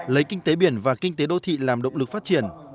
lấy kinh tế biển và kinh tế đô thị làm động lực phát triển